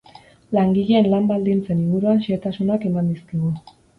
Langileen lan-baldintzen inguruan xehetasunak eman dizkigu.